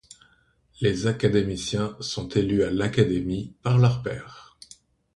Les académiciens sont élus à l'Académie par leurs pairs.